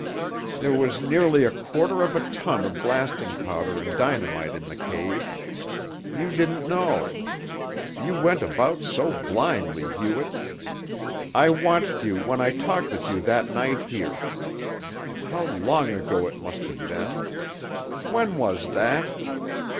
"There was nearly a quarter of a ton of blasting powder and dynamite in the cave. You didn't know. You went about so blindly, Hewlett. I watched you when I talked with you that night here. How long ago it must have been! When was that?"